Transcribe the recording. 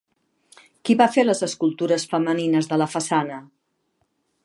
Qui va fer les escultures femenines de la façana?